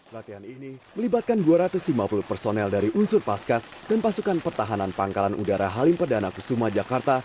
latihan ini melibatkan dua ratus lima puluh personel dari unsur paskas dan pasukan pertahanan pangkalan udara halim perdana kusuma jakarta